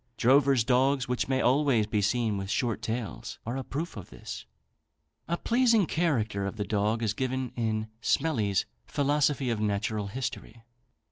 Drovers' dogs, which may always be seen with short tails, are a proof of this. A pleasing character of the dog is given in Smellie's "Philosophy of Natural History."